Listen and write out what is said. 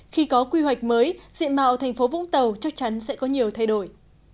khi có quy hoạch mới diện mạo thành phố vũng tàu chắc chắn sẽ có nhiều thay đổi